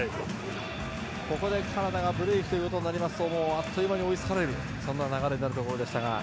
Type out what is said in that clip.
ここでカナダがブレークとなりますとあっという間に追いつかれる流れになるところでしたが。